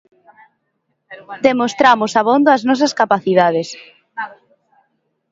Demostramos abondo as nosas capacidades.